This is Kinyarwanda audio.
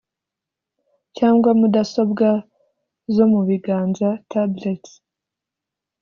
cyangwa mudasobwa zo mu biganza (tablets)